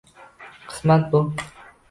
Qismat bu…